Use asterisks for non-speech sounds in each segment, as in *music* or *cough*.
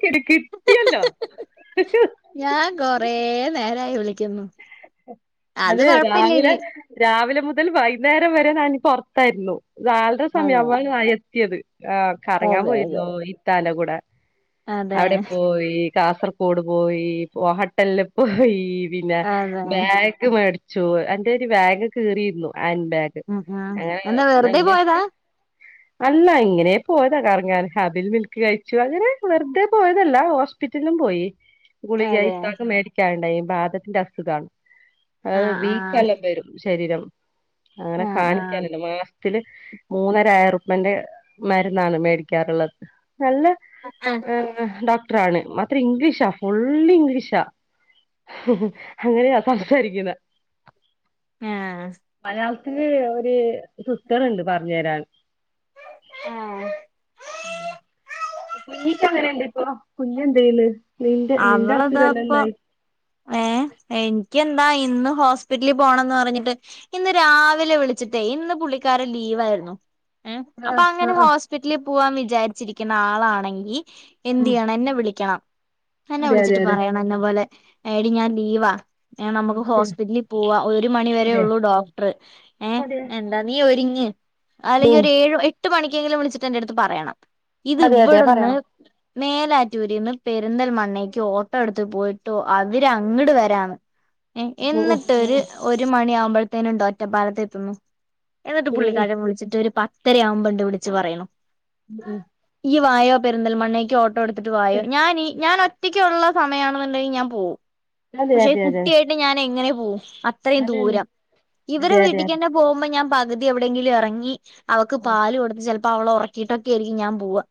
ക്കിടി കിട്ടിയല്ലോ ക്കുന്നു അതെ രാവിലെ രാവിലെ മുതൽ വൈന്നേരം വരെ ഞാനി പൊർത്തായിരുന്നു. നാലര അതെ സമയാവുമ്പ *unintelligible* ക്ക്യത് അഹ് കറങ്ങാൻ അതെ പോയിരുന്നു. ഈ തല കൊട് അതെ അതെ അവിടെപ്പോയി കാസർകോട് പോയി ഹോട്ടൽല്ല് പോയി പിന്നെ അതെ ബേ മേട്ച്ചു എന്റൊരു വാഗ് കീറിര്ന്നു ഹാൻഡ് ബാഗ് ഉം ഉം എന്താ വെറുതെ പോയതാ *unintelligible* അല്ല ഇങ്ങനെ പോയതാ കറങ്ങാൻ അവിൽമിൽക്ക് കഴിച്ചു അങ്ങനെ വെർതെ പോയതല്ല ഹോസ്പിറ്റ്ലും പോയി അതെ ഗുളികയിത്താക്ക് മേടിക്കാൻണ്ടായിനി വാദത്തിന്റെ അസുഖാണ് അത് ആഹ് ആഹ് ബീക്കെല്ലാബരും ശരീരം അങ്ങനെ ആഹ് കാണിക്കാനല്ല മാ ത്തില് മൂന്നരാആയിരത്തിന്റെ മരുന്നാണ് മേടിക്കാനുള്ളത് നല്ല ആഹ് യെന്ത്‌ ഡോക്ടർ ആണ് അത്ര ഇംഗ്ലീഷാ ഫുള്ള് ഇംഗ്ലീഷാ മ്മ്ഹ് ഹ് അങ്ങനെയാ *unintelligible* ആഹ് മലയാളത്തില് ഒര് റ്യേൽണ്ട് പറഞ്ഞരാൻ ആഹ് *inaudible* കുഞ്ഞിക്ക് എ ങ്ങനെയിണ്ട് പ്പൊ കുഞ്ഞു ണ്ടയില് അവളതാപ്പൊ ഏ എൻ ഇയ്യന്താ ഇന്ന് ഹോസ്പിറ്റലിൽ പോണംന്ന് പറഞ്ഞിട്ട് ഇന്ന് രാവിലെ വിളിച്ചിട്ടേ ഇന്ന് പുള്ളിക്കാരൻ ലീവായിരുന്നു *inaudible* അപ്പൊ ആഹ് അങ്ങനെ ആഹ് ആഹ് ഹോസ്പിറ്റലിൽ പോവാൻ വിചാരിച്ചിരിക്കുന്ന ആളാണെങ്കിൽ ഉം എന്തെയ്യണം എന്നെ വിളിക്കണം എന്നെ അതെ അതെ വിളിച്ചിട്ട് അതെ പറയണെന്നെ പോലെ എടീ ഞാൻ ലീവാ ഏ ആഹ് നമുക്ക് അതെ ഹോസ്പിറ്റലിൽ പോവാ ഒരു മണിവരെ അതെ ഉള്ളൂ ഡോക്ടർ ഏ അതെ എന്താ നീ ഒരു *inaudible* ഉം അല്ലെങ്കിലൊരു ഏഴ് എട്ട് എട്ട്ണിക്കെങ്കിലും വിളിച്ചിട്ടെന്റെടുത്ത് പറയണം ഇത് അതെ അതെ ഇവിട്ന്ന് പറയണം മേലാറ്റൂരിന്ന് പേ പെരുന്തൽമണ്ണേക്ക് ഓട്ടോ എടുത്ത് പോയിട്ടു അവരങ്ങട്ട് വരാന്ന് ഉം ഉം എന്നിട്ടൊരു ഒരു മണി ആവുമ്പോഴത്തേന ഉണ്ടോ ഒറ്റപ്പാലത്തെ എത്തുന്നു എന്നിട്ട് ഉം പുള്ളിക്കാരൻ വിളിച്ചിട്ട് ഒരു പത്ത് പത്തര ആവുമ്പോണ്ട് വിളിച്ച് പറയുണ് ഉം ഉ വായോ പെരിന്തൽമണ്ണക്ക് ഓ ട്ടോ. എടുത്തിട്ട് വായോ ഞാൻ ഈ ഞാൻ ഒറ്റയ്ക്ക്‌ഉള്ള സമയയാണെന്നുണ്ടെങ്കിൽ ഞാൻ പോവും അതെ പക്ഷെ അതെ അതെ കുട്ടിയായിട്ട് ഞാൻ എങ്ങനെ പോവും അത്രയും അതെന്നെ ദൂരം അതെ ഇവരെ അതെ അതെ വീട്ടിക്കന്നെ പോകുമ്പോ ഞാൻ പകുതി എവിടെയെങ്കിലും ഇറങ്ങി അവക്ക് പാല് കൊടുത്ത് ചെലപ്പോ അപ്പ അവള ഒറക്കിട്ടൊക്കെയായിരിക്കും ഞാൻ പോവാ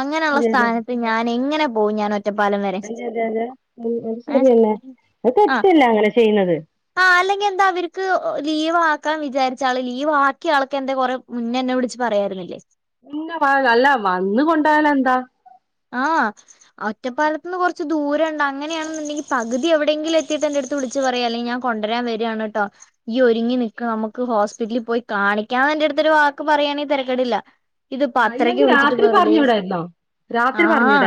അങ്ങനെയുള്ള സ്ഥാനത്ത് ഞാൻ എങ്ങനെ പോവു ഞാൻ ഒറ്റപ്പാലം വരെ അതെതെ അതെ അത് ഏഹ് ശരിയല്ലെ അത് ആ തെറ്റില്ല അങ്ങനെ ചെയ്യുന്നത് ലീവാക്കാൻ വിചാരിച്ചാള് ലീവ് ആക്കിയ ആൾക്കെ എന്തെ കൊറെ മുന്നെന്നെ വിളിച്ചച്ച് പറയാായിരുന്നില്ലേ പിന്നെ വ അല്ല വന്ന് കൊണ്ടോയാല് എന്താ ആ ഒറ്റപ്പാലത്തന്ന് കുറച്ച് ദൂരം ഉണ്ട് അങ്ങനെയാണെന്നുണ്ടെങ്കിൽ പകുതി എവിടെയെങ്കിലും എത്തിയിട്ട് എന്റെടുത്ത് വിളിച്ചു പറയാ അല്ലെ ഞാൻ കൊണ്ടുവരാൻ വരുവാണ് ട്ടോ യ്യ് ഒരുങ്ങി നിക്ക്‌ നമുക്ക് ഹോ സ്പിറ്റലിൽ പോയി കാണിക്കാന്ന് എന്റെടുത്തൊരു വാക്ക് പറയാണെ തിരക്കടില്ല ഇതിപ്പോ ആ ഇല്ലെങ്കി രാത്രി പറഞ്ഞൂടായിരുന്നോ ആഹ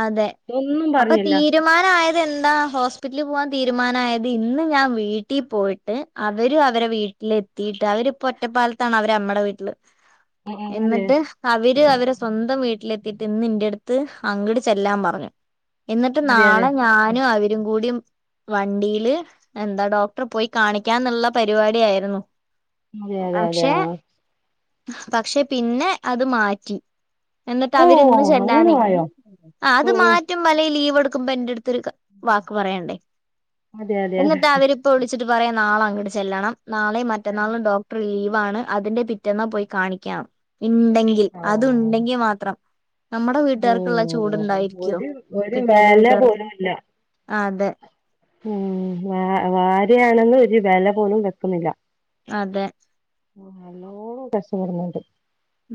അതെ ഒന്നും അപ്പൊ പറഞ്ഞില്ല തീരുമാനായത് എന്താ ഹോസ്പിറ്റലിൽ പോവാൻ തീരുമാനമായത് ഇന്ന് ഞാൻ വീട്ടി പോയിട്ട് അവരു അവരെ വീട്ടിലെ എതീട്ട് അവരിപ്പൊ ഒറ്റപ്പാലത്താണ് അവര് അമ്മേടെ വീട്ടില് ഉം ഉം എന്നിട്ട് അവര് അവരെ സ്വന്തം വീട്ടിലെ എത്തീട്ടു ഇന്ന് ഇന്റെ അടുത്ത് അങ്ങട് ചെല്ലാൻ പറഞ്ഞു എന്നിട്ട് അതെ അതെ അതെ നാളെ ഞാനും അവരും കൂടി വണ്ടിയില് എന്താ ഡോക്ടർ പോയി കാണിക്കാന്നുള്ള പരിപാടി ആയിരുന്നു അതെ അതെ അതെയ പക്ഷെ പിന്നെ അത് മാറ്റി ട്ട് ഓ അവര്ന്ന് അങ്ങനെ ചെല്ലാനേ ആയോ ആ അത് ഉം ഉം മാറ്റും അല്ലെ ലീവ് എടു ക്കുമ്പോ ഇന്റടുത്തൊ രു വാക്ക് പറയണ്ടേ അതെ അതെ അതെ എന്നിട്ട് അവരിപ്പോ വിളിച്ച വച്ചിട്ട് പറയാ നാള അങ്ങട്ട് ചെല്ലണം നാളെയും മറ്റന്നാളും ഡോക്ടർ ലീവ് ആണ് അതിന്റെ പിറ്റെന്ന പോയി കാണിക്കാം ഉണ്ടെങ്കിൽ ഓ അതു ഉണ്ടെങ്കിൽ മാത്രം നമ്മടെ ഉം വീട്ടുകാര്ക്കുള്ള ചൂടുണ്ടായിരിക്കുവോ ഒരു ഒരു കെട്ടിയന്റെ വെല വീട്ടുകാർക്ക് പോലും ഇല്ല ആ അതെ ഉം വ ഭാരിയാണെന്ന് വെച്ച് ഒരു വില പോലും വെക്കുന്നില്ല അതെ ആ നല്ലോം കഷ്ടപ്പെടുന്നണ്ട്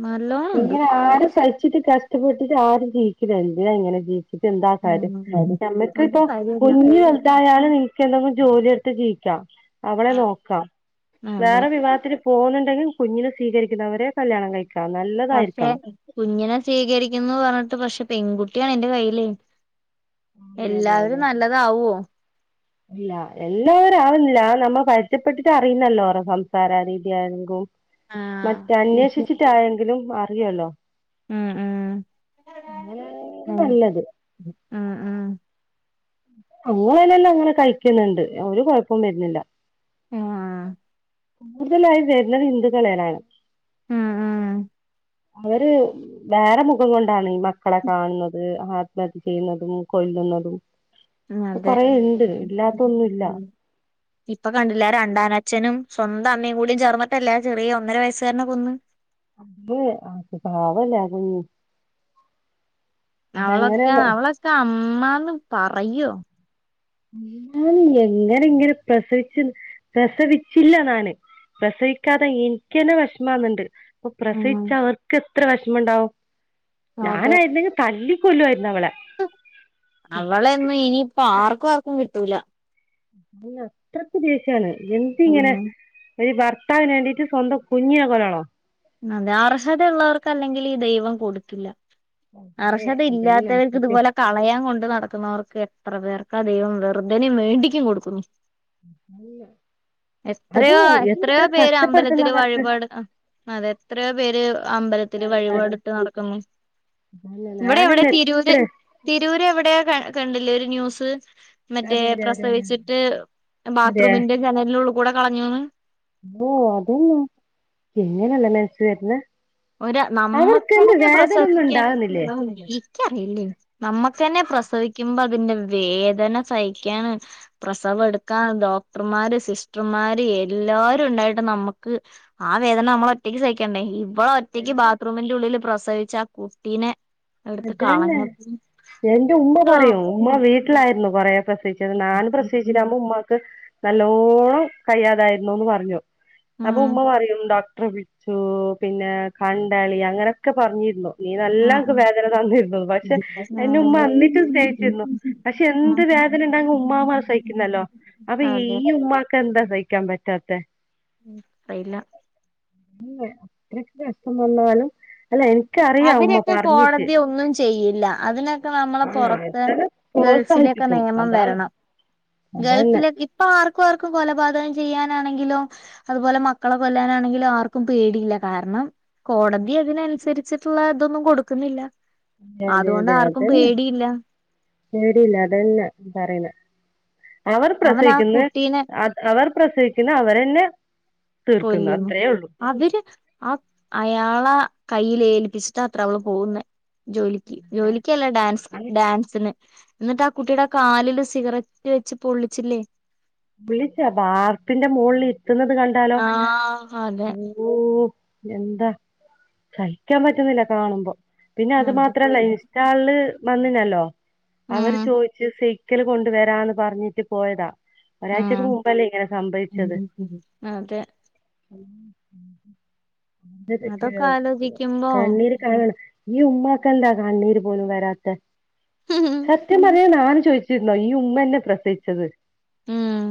നല്ലോണം ഉണ്ട് ഇങ്ങനെ ആര ക് കഷ്ടപ്പെട്ടിട്ട് ആരും ജീവിക്കുല. എന്തിനാ ഇങ്ങനെ ജീവി ഇത് എന്താ കാര്യം ഉം ഒരു ഞമ്മക്ക്പ്പ കാര്യല്ല കുഞ്ഞു വൽതായാല നിങ്ങക്ക് എന്തെങ്കും ജോലിയ എടുത്ത് ജീവിക്കാം അവളെ നോക്കാം അതെ വേറെ വിവാഹത്തിന് പോവുന്നുണ്ടെങ്കിൽ കുഞ്ഞിന് സ്വീകരിക്കുന്നവരെ കല്യാണം കഴിക്കാും പക്ഷെ കുഞ്ഞിനെ സ്വീകരിക്കുന്നു പറഞ്ഞിട്ട് പക്ഷെ പെൺകുട്ടിയാണ് എൻന്റെ കയ്ൽ അതെ അതെ എല്ലാവരും അതെ നല്ലതാവുമോ ഇല്ല എല്ലാവരും ആവുന്നില്ല നമ്മ പ ഇഷ്ടപ്പെട്ടിട്ട് അറിയുന്നല്ലോ റോ സംസാരീതി ആയാലും മറ്റേ ഉം അന്വേഷിച്ചിട്ടായെങ്കിലും ല്ലോ ഉം ഉം അ നല്ലത് ആഹ ഉഹ അങ്ങനന്നെല്ലാം അങ്ങനെ കഴിക്കുന്നുണ്ട് അവ കൊഴപ്പം വരുന്നില്ല ആഹ കൂടുതലായി വരുന്നത് ഹിന്ദുക്കളേനാണ് ആഹ ആ അവര് വേറെ മുഖം കൊണ്ടാണ് മക്കളെ കാണുന്നത് ആത്മഹത്യ ചെയ്യുന്നതും കൊല്ലുന്നതും ഉ അതെ കൊറേ ഇണ്ട് ഇല്ലാത്തൊന്നുല്ല ഇപ്പൊ കണ്ടില്ല രണ്ടാനച്ഛനും സ്വന്തം അമ്മയും കൂടിയും ചേർന്നല്ല ചെറിയ ഒന്നര വയസ് കാരനെ കൊന്ന് അത് ആക്ക് പാവല്ല കു അവളൊക്കെ അവളൊക്കെ അമ്മ അമ്മാന്ന് പറയോ ന്നാലും എങ്ങനെ ഇങ്ങനെ പ്രസവിച്ച പ്രസവിച്ചില്ല ഞാൻ പ്രസവിക്കാതെ എനിക്കന്നെ വിഷമാണ്ണ്ട് ഓ ഉം പ്രസവിച്ച വർക്ക എത്ര വിഷമുണ്ടാവും ഞാന ആയിരുന്നെങ്കും തല്ലി കൊ *unintelligible* അവളൊന്നും ഇനി അപ്പ ആർക്കുംആർക്ക കട്ടൂല അല്ല അത്രത്ര ദേഷാണ് എന്തിങ്ങനെ ഉം ഒരു ഭർത്താവിന് വേണ്ടിട്ട് സ്വന്തം കുഞ്ഞിയാ കൊല്ലളോ അതെ അർഹത ഉള്ളവർക്ക് അല്ലെങ്കിൽ ഈ ദൈവം കൊടുക്കില്ല അതേ അർഹത അതന്നെ ഇല്ലാത്തവർക്ക് സത്യം ഇതുപോലെ കളയാൻ കൊണ്ട് നടക്ക ക്കുന്നവർക്ക് എത്ര പേർക്കാ ദൈവം വെറുതനെും വേണ്ടിക്കും കൊടുക്കുന്നു എത്രയോ അതും എത്ര എത്രയോ പേര് കഷ്ടപ്പെടുത്തുന്ന അമ്പലത്തില് അവർക്ക് വഴിപാട് അതെ എത്രയ പേര് അമ്പലത്തിൽ പാട് വഴിപാടിട്ട് നടക്കുന്നു അതന്നെ ഇവിടെ എവിടെ ഞാനല്ലേ എത്ര തിരൂര് എവിടെയാ കണ്ടില്ലേ ഒരു ന്യൂസ് മറ്റേ അതെ അതെ അതെ പ്രസവിച്ചിട്ട് അതെ ബാത്റൂമിന്റെ ജനലില കൂടെ കളഞ്ഞൂന്ന് ഓ അതന്ന അങ്ങനെയണല്ലേ ലേശു വന്ന് ഒ നമ്മുക്ക്ന്നെ ഒന്നും പ്രസവിക്കാൻ ഉണ്ടാകുന്നില്ലേ റിയില്ലേ നമ്മുക്ക്ന്നെ പ്രസവിക്കുമ്പോ അതിന്റെ വേദന സഹിക്കൻ പ്രസവം എടുക്കൻ ഡോക്ടർമാര് സിസ്റ്റർമാര് എല്ലരുും ഉണ്ടായിട്ട് നമ്മുക്ക് ആ വേദന നമ്മള ഒറ്റയ്ക്ക് സഹിക്കണ്ടേ ഇ റ്റക്ക് ബാത്റൂമിന്റെ ഉള്ളിൽ പ്ര പ്രസവിച്ച ആ കുട്ടീ അതന്നെ എന്റെ ഉമ്മ പറയും ഉമ്മ വീട്ടിലായിരുന്നു കൊറെേ പ്രശ്നം ഞാൻ പ്രസച്ചിട്ടാവുമ്പോ ഉമ്മാക്ക് നല്ലോണം കഴിയാതായിരുന്നുന്ന് പറഞ്ഞു അപ്പൊ ഉമ്മ ഉം പറയും ഡോ പളിച്ചു പിന്നെ കണ്ടളി അങ്ങനെയൊക്കെ പറഞ്ഞിരുന്നു നീ നല്ല ആഹ് *inaudible* വേദന തന്നിര്ന്നു, പക്ഷെ ആഹ് എന്റെ ഉമ്മ എന്നിട്ടും സ്നേഹിച്ചിരുന്നു പക്ഷെ എന്ത് ആഹ് വേദനണ്ടെകും ഉമ്മാമാര് സഹിക്കുന്നല്ലോ അപ്പൊ അതെ ഈ ഉമ്മാക്കെന്താ സഹി *inaudible* പറ്റാത്തെ മ്, ആയില്ല *inaudible* അത്രക്ക് രസം വന്നാലും അല്ല, എനിക്ക് അറിയാം ഉമ്മ അവരൊക്കെ *inaudible* കോടതി ഒന്നും ചെയ്യില്ല അതിനൊക്കെ ഞമ്മളെ ആ പൊറതേയ് എത്ര ഗൾഫിലെക്കെ പ്രോത്സാഹിപ്പിക്കും നിയമം അതാണ് വെരണം. അതന്നെ ഗൾഫില് ഇപ്പ ആർക്കും ആർക്കും കൊലപാതകം ചെയ്യാനാണെങ്കിലോ അതുപോലെ മക്കളെ കൊല്ലാനാണെങ്കിലും ആർക്കും പേടിയില്ല കാരണം കോടതി അതിനനുസരി *inaudible* *inaudible* ച്ചിട്ടുള്ള ഇതൊന്നും കൊടുക്കുന്നില്ല അതെ അതുകൊണ്ട് അതെ ആർക്കും അത് പേടിയില്ല *inaudible* അതന്നെ പറയ് *inaudible* അവർ അവൻ ആ പ്രസവിക്കുന്നെ കുട്ടീനെ *unintelligible* അവർ പ്രസവിക്കുന്ന അവരന്നെ തീർക്കുന്നു കൊല്ലുന്നു അത്രയേ ഉള്ളൂ അവര് ആ അയാളാ കയ്ൽ ഏൽപ്പിച്ചിട്ട അത്ര അവള് പോകുന്നേ ജോലിക്ക്, ജോലിക്കല്ല ഡാൻസ് ഉള്ളൂ ഡാൻസിന് എന്നിട്ട് ആ കുട്ടിയുടെ കാലില് സിഗരറ്റ് വെച്ച് പൊള്ളിച്ചില്ലേ വിളിച്ചാവാർപ്പിന്റെ മോൾല് *inaudible* ത്തുന്നത് കണ്ടാലോ ആഹ് അതെ *inaudible* എന്താ സഹിക്കാൻ പറ്റുന്നില്ല കാണുമ്പോ പിന്നെ അത് അതെ മാത്രല്ല ഇൻസ്റ്റാൾല് വന്നിനല്ലോ ഉം അവര് ചോയ്ച്ച് *inaudible* *inaudible* കൊണ്ട് വരാന്ന് പറഞ്ഞിട്ട് പോയതാ ഒരാഴ്ചക്ക് ഉം മുമ്പല്ലേ ഇങ്ങനെ സംഭവച്ചത് അതെ അതൊക്കെ *unintelligible* *inaudible* ആലോചിക്കുമ്പോ കണ്ണീര് കാണണ് ഈ ഉമ്മാക്കെന്താ കണ്ണീര് പോലും വരാത്ത സത്യം *inaudible* ചോയ്ച്ചിരുന്നോ ഈ ഉമ്മന്നെ പ്രസവിച്ചത് ഉം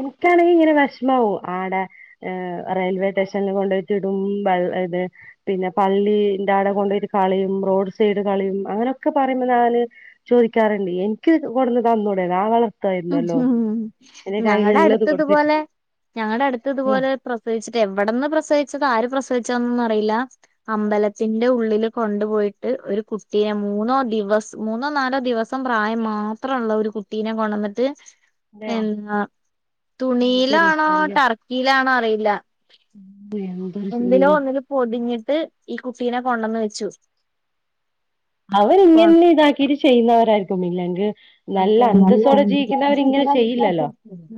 *inaudible* നിക്കാണെങ്കി ഇങ്ങനെ വെഷമാ *inaudible* ആടെ ഹ് റെയിൽവേ സ്റ്റേഷനിൽ കൊണ്ടയിറ്റിടും *unintelligible* പിന്നെ പള്ളിന്റെ ആടെ കൊണ്ടയിട്ട് കളയും റോഡ് സൈഡ് കളയും അങ്ങനെയൊക്കെ പറയുമ്പോ ഞാന് ചോദിക്കാറുണ്ട് എനിക്ക് കൊടുന്ന് തന്നൂടെ *inaudible* വള.. ത്ത ഇലല്ലോ ഞങ്ങടെ അടുത്ത് ഇതുപോലെ ഞങ്ങളുടെ അടുത്ത് ഉം ഇതുപോലെ പ്രസവിച്ചിട്ട് എവിടെന്ന് പ്രസവിച്ചത് ആര് പ്രസവിച്ചോ ഒന്നും അറിയില്ല കൊണ്ടു പോയിട്ട് ഒരു കൂട്ടിയാ മൂന്നോ ദിവസ മൂന്നോ നാലോ ദിവസം പ്രായം മാത്രം ഒള്ളൊരു കുട്ടീനെ കൊണ്ടോന്നി അതെ, *unintelligible* എന്താ എന്തൊരു തുണീലാണോ ടർക്കിലാണോ അ റിയില്ല ഉം എന്തിലോ ഒന്നില് പൊതിഞ്ഞി ട്ട് ഈ കുട്ടിനെ കൊണ്ടന്ന് വെച്ചു കോൺ അവരിന്നനെ ഇതാക്കീട്ട് ചെയ്യുന്നവരായിരിക്കും *unintelligible* *unintelligible* നല്ല അന്തസ്സോടെ ജീവിക്കുന്നവര് ഇങ്ങനെ ചെയ്യില്ലല്ലോ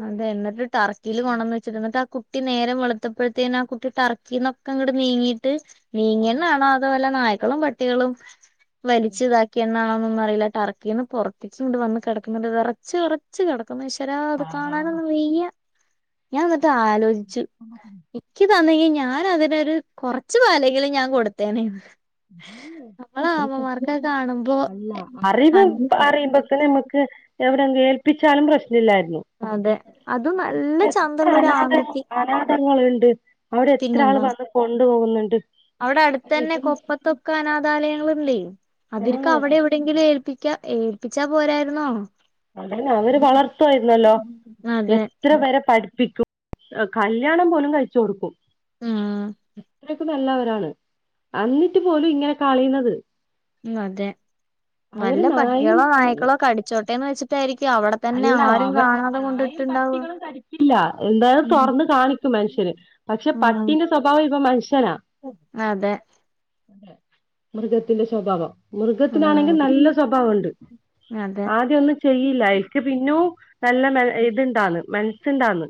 അതെ എന്നിട്ട് ടർക്കില് കൊണ്ടന്ന് വെച്ചിട്ട് എന്നിട്ട് കുട്ടി നേരം വെളുത്തപ്പഴത്തേനും ആ കുട്ടി ടർക്കിന്നൊക്കെങ്ങട് നീങ്ങീട്ട് നീങ്ങീന്നാണോ അതോ വല്ല നായ്ക്കളും പട്ടികളും വലിച്ച് ഇതാക്കിന്നാണോ ഒന്നും അറിയില്ല ടർക്കീന്ന് പുറത്ത് *unintelligible* വന്ന് കിടക്കുന്നത് വിറച്ച് വിറച്ച് കിട അപ്പ ഈശ്വരാ അത് ആഹ് കാണാനൊന്നും വയ്യ ഞാൻ വെറുതേ ആലോചി *unintelligible* നിക്ക് തന്നെങ്കി ഞാൻ അതിനൊരു കൊറച്ചു പാലെങ്കിലും ഞാൻ കൊടുത്തേനേ ഒരു കാണുമ്പോ അല്ല അറിവ് അ *unintelligible* എവിടെങ്കിലും ഏൽപ്പിച്ചാലും പ്രശ് അതെ അതും നല്ല ചന്തൊള്ളൊരു ആൺകുട്ടി ങ്ങളുണ്ട് അവിടെ എത്ര ആൾ പിന്നെന്താ വന്ന് കൊണ് പോവുന്നുണ്ട് അവിടെ അടുത്തന്നെ കൊ തൊക്കെ അനാഥാലയങ്ങളിണ്ടേ അതിർക്ക് ആഹ് അവിടെ എവിടെയെങ്കിലും ഏൽപ്പി *unintelligible* ഏൽപ്പിച്ചാ പോരായിരുന്നോ അതെന്നെ അവര് വളർത്തുവായിരുന്നല്ലോ അതെ എത്ര പേരെ പഠിപ്പിക്കും കല്ല്യാണം പോലും കഴിച്ച് കൊടുക്കും ഉംഹ് ത്രക്കും നല്ലവരാണ് അന്നിട്ട് പോലും ഇങ്ങനെ കളിണത് ഉംഹ് അതെ നല്ല നായയും പട്ടികളോ നായ്ക്കളോ കടിച്ചോ ട്ടേന്ന് വെച്ചിട്ടായിരിക് അല്ല അവ നായും കൊണ്ടിട്ടുണ്ടാവ പട്ടികളും കടിക്കില്ല എന്തായും ഉം തൊറന്ന് കാണിക്കും മനുഷ്യര് പക്ഷെ ഉം പട്ടിന്റെ സ്വഭാവം ഇപ്പൊ മനുഷ്യനാ അതെ മൃഗത്തിന്റെ സ്വഭാവം മൃഗത്തിനാണെങ്കിൽ നല്ല ഉം സ്വഭാവം ഇണ്ട് അതെ ആദ്യന്നും ചെയ്യില്ലായി നോ നല്ല മ ഇത്ണ്ടാണ് മൻ ചിന്താന്ന്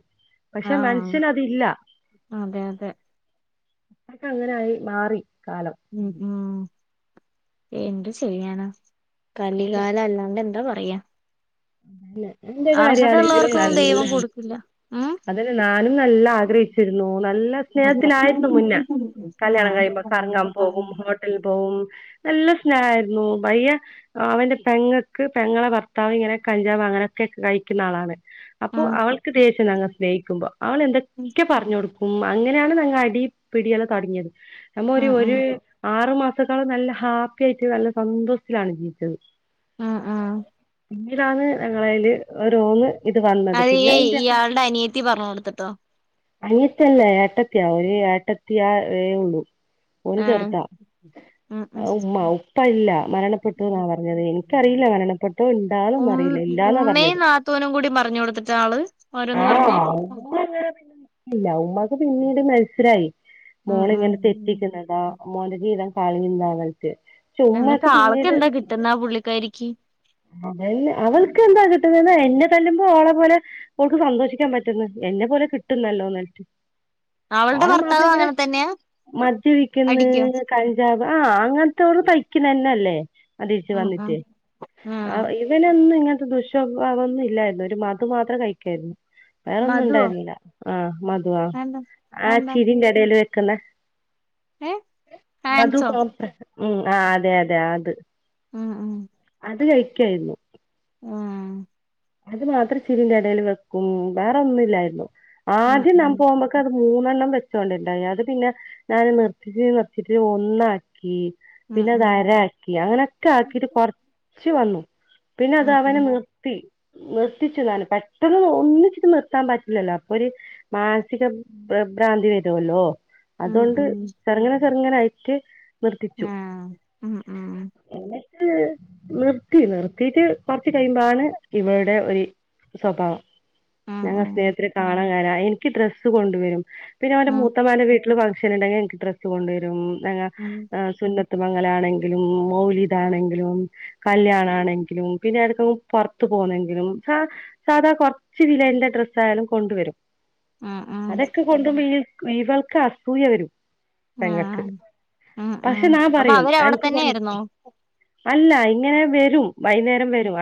പക്ഷെ ആഹ് മനുഷ്യനതില്ല അതെ അതെ ഒക്കെ അങ്ങനെ ആയിമാറി ഉം ഉം എന്ത് ചെയ്യാനാ കളികാല അല്ലാണ്ട് എന്താ പ വയ്യ അതല്ലെ എന്റെ കാര്യ ആണെങ്കിലും നല്ല ദൈവം കൊടുക്കില്ല ഉം അതി നാലു നല്ല ആഗ്രഹിച്ചിരുന്നു നല്ല ആ ആ സ്നേഹത്തിലായിരുന്നു മുന്നേ കല്യാണം കഴിയുമ്പ കറങ്ങാൻ പോകും ഹോട്ടല്ല് പോവും നല്ല സ്നേഹായി നോമ്പയ്യ അവന്റെ പെങ്ങക്ക് പെങ്ങളെ ഭർത്താവ് ഇങ്ങനെ കഞ്ചാവ് അങ്ങനൊക്കെ കഴിക്കുന്ന ആളാണ്. അപ്പോ അവൾക്ക് ദേഷ് ച്ഛനങ്ങ് സ്നേഹിക്കുമ്പോ അവൾ എന്തൊക്കെ പർഞൊടു ഉം അങ്ങനേണ് ഞങ്ങൾ അടി പിടിയെല്ലാ തൊട്ങ്ങിയത്. നമ്മ ഒരു ഒര് ആറു മാ *unintelligible* നല്ല ഹാപ്പി യായിട്ട് നല്ല സന്തോഷ്ത്തിലാണ് ജീവിച്ചത്. ഉം ഉം ഇലാണ് ഞങ്ങളയില് ഒരു റൂമ് അയീ ഇയാൾടെ അനിയത്തി പർഞ്ഞൊടുത്ട്ടോ? അനിയതെല്ല ഏട്ടത്തിയാ ഒരു ഏട്ടത്തിയാ വേ ഉള്ളു ഓന് ആ ചെർതാ ഉം ഉം ഉമ്മ ഉപ്പ ഇല്ല മരണപ്പെട്ടുന്നാ പറഞ്ഞത്. എനിക്കറിയില്ല മരണപ്പെട്ടോ ഇണ്ടാന്നൊന്നും ഉം അറിയില്ല ഇല്ലാന്നാ ഉമ്മേം പറഞ്ഞത് നാത്തൂനും കൂടി പറഞ്ഞു കൊടുത്തിട്ടാള് ഓരോന്ന് പർഞ്ഞേ ആണോ ഇല്ല ഉമ്മാക്ക് പിന്നീട് മത്സരായി ഉം ഉം മോളിങ്ങനെ തെറ്റിക്കുന്നതാ മോൻ്റെ ജീവിതം പളിയുന്ന അവൾക്ക് എന്നിട്ട് ആൾക്ക് എന്താ കിട്ടുന്ന ആ പുള്ളിക്കാരിക്ക് അതെ അവൾക്ക് എന്താ കിട്ടുന്നേന്നാ എന്നെ തല്ലുമ്പോ ഓളെ പോലെ ഓൾക്ക് സന്തോഷിക്കാൻ പറ്റുന്ന് എന്നെ പോലെ കിട്ടുന്നല്ലോലേ അവളുടെ ഓള ഭർത്താവ് മാപ്പള ഇങ്ങനെ അങ്ങനെ തന്നെയാ മജ്ജ വിക്കുന്ന് അടിക്കോ കഞ്ചാബ് ആ അങ്ങനത്തോള് തയ് ക്കി നന്നല്ലേ അ ദീശ് ഉം വന്നിറ്റ് ആ ഇവനൊന്ന് ഇങ്ങന ദുഷ്വാഭാവംന്നും ഇല്ലായിരുന്നു ഒരു മാക്ക് മാത്രം കഴിക്കാരുന്നു വേറൊന്നും മധുവോ ഉണ്ടായിരുന്നില്ല ആ മധുവാ വേണ്ട ആ വേണ്ട ചിരിൻ്റെ എടേല് ക്കന്നെ ഏ ഹാൻസോ മധുപോം ഉം ആ അതെ അതെ അത് ഉം ഉം അത് കഴി കെഴുന്നു ആ അത് മാത്രം ചിരിൻ്റെ എടേല് വെക്കും വേറെന്നും ഇല്ലായിരുന്നു ഉം ആദ്യം നാം ഉം പോകുമ്പോക്ക അത് മൂന്നെണ്ണം വെ ച്ചൊണ്ടിട്ടല്ല അത് പിന്നെ ഞാൻ നിർത്തിട്ട് നിർത്തിട്ട് ഒന്നാക്കി ഉം ഉം പിന്നെതരക്കി അങ്ങനെക്ക ആക്കിട്ട് കൊറച്ച് വന്നു പിന്നെ അത് ഉം അവനെ ഉം നിർത്തി നിർത്തിച്ചു നാന് പെട്ടെന്ന് ഒന്നിച്ചിട്ട് നിർത്താൻ പറ്റില്ലല്ലാ അപ്പൊ ഒരു മാനസികഭ്രാന്തി വരുവല്ലോ ഉം അതുകൊണ്ട് ഉം ചെറങ്ങന ചെറങ്ങനായിറ്റ് നിർത്തിച്ചു ആഹ് ഉം ഉം നിർത്തി നിർത്തിട്ട് പറച്ച് കഴിയുമ്പാണ് ഇവരുടെ ഒരു സ്വപാവം ആഹ് ഞങ്ങ ആഹ് സ്നേഹത്തില് കാണാൻ കാര എനിക്ക് ഡ്രസ്സ് കൊണ്ടുവരും പിന്നെ അവന്റെ ആഹ് മൂത്തമാന്ടെ വീട്ടിൽ വാങ്ങ ഫങ്ക്ഷന് ഉണ്ടെിൽ എനിക്ക് ഡ്രസ് കൊണ്ടുവരും ഉം ആ സുന്നത്തു ത്തുമംഗല ആണെങ്കിലും മൗലിത ആണെങ്കിലും കല്യാണ ആണെങ്കിലും പിന്നെ എടുക്ക പൊർ ത്തു പോന്നെങ്കിലും സ സാധാ കോർച്ച് വിലേന്റെ ഡ്രസ്സ് ആയാലും കൊണ്ടുവരും. ആഹ് അതൊക്കെ കൊണ്ട് മീ വിവൾക്ക് അസൂയ വരും അഹ് പെങ്ങക്ക്. ആഹ് അഹ് പക്ഷെ ആഹ് ഞാൻ അപ്പൊ പറയും അവരവിടെ അനക്ക് കൊ തന്നെ ആയിര്ന്നോ? അല്ല ഇങ്ങനെ വെരും- വൈകുന്നേരം വെരുവാ-